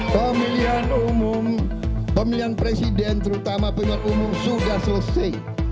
pemilihan umum pemilihan presiden terutama pemilihan umum sudah selesai